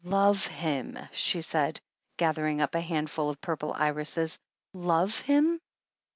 "Love him," she said, gathering up a hand ful of the purple irises, "love him?